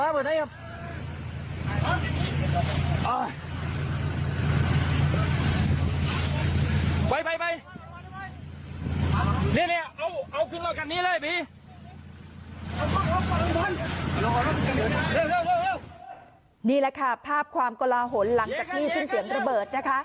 เร็วเร็วเร็วเร็วนี่แหละค่ะภาพความกลาหลหลหลังจากที่สิ้นเสียงระเบิดนะคะ